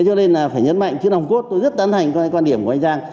cho nên là phải nhấn mạnh chứ nồng cốt tôi rất tân thành quan điểm của anh giang